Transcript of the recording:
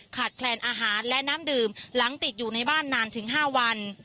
แคลนอาหารและน้ำดื่มหลังติดอยู่ในบ้านนานถึง๕วัน